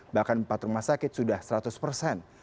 bahkan empat rumah sakit sudah seratus persen